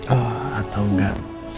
oh atau enggak